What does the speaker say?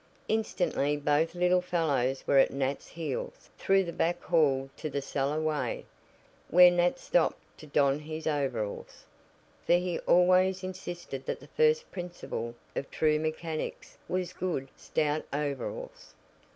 Instantly both little fellows were at Nat's heels, through the back hall to the cellar way, where Nat stopped to don his overalls, for he always insisted that the first principle of true mechanics was "good, stout overalls."